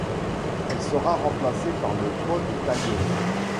Elle sera remplacée par le Pod Talios.